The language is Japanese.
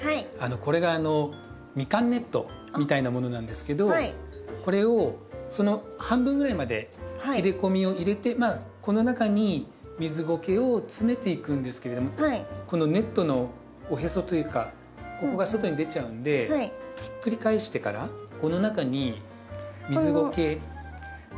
これがミカンネットみたいなものなんですけどこれをその半分ぐらいまで切れ込みを入れてこの中に水ごけを詰めていくんですけれどもこのネットのおへそというかここが外に出ちゃうのでひっくり返してからこの中に水ごけ。